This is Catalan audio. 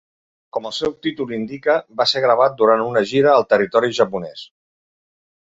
Com el seu títol indica, va ser gravat durant una gira al territori japonès.